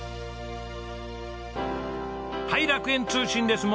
はい楽園通信です。